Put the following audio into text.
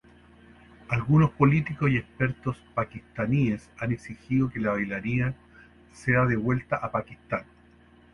Algunos políticos y expertos paquistaníes han exigido que la bailarina sea "devuelta" a Pakistán.